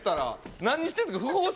何してるんですか？